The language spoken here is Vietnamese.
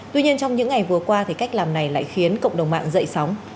tuy nhiên trong những ngày vừa qua thì cách làm này lại khiến cộng đồng mạng dậy sóng